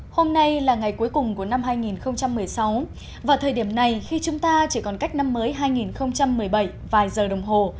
hôm nay là ngày cuối cùng của năm hai nghìn một mươi sáu và thời điểm này khi chúng ta chỉ còn cách năm mới hai nghìn một mươi bảy vài giờ đồng hồ